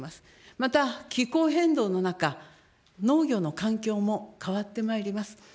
また気候変動の中、農業の環境も変わってまいります。